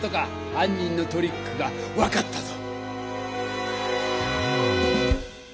はん人のトリックが分かったぞ！